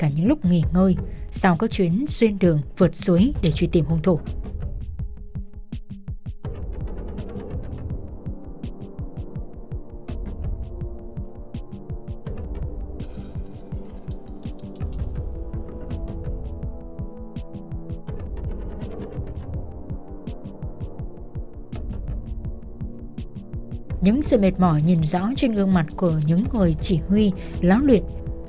những sự mệt mỏi nhìn rõ trên gương mặt của những người chỉ huy láo luyện